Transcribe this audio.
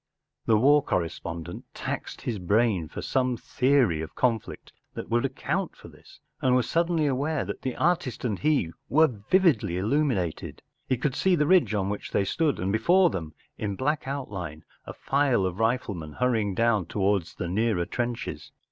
The war correspondent taxed his brain for some theory of conflict that would account for this, and was suddenly aware that the artist and he were vividly illuminated, He could see the ridge on which they stood, and before them in black outline a file of riflemen hurrying down towards the nearer trenches.